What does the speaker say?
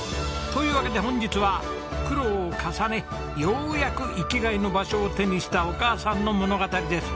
というわけで本日は苦労を重ねようやく生きがいの場所を手にしたお母さんの物語です。